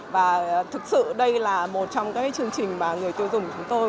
và thực sự đây là một trong các chương trình mà người tiêu dùng chúng tôi